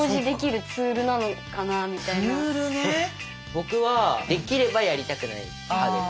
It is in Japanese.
僕はできればやりたくない派です。